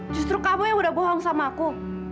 justru kamu yang udah bohong sama aku